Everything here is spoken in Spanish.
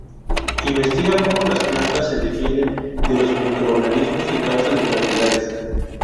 Investiga cómo las plantas se defienden de los microorganismos que causan enfermedades.